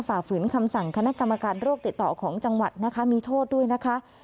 ฝ่าฝืนคำสั่งคณะกรรมการโรคติดต่อของจังหวัดนะคะมีโทษด้วยนะคะ